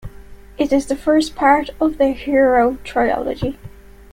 It is the first part of the "Hero Trilogy".